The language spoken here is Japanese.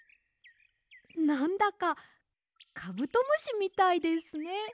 なんだかカブトムシみたいですね。